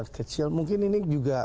kecil mungkin ini juga